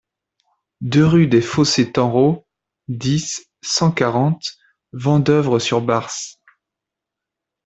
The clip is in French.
deux rue des Fossés Tanrot, dix, cent quarante, Vendeuvre-sur-Barse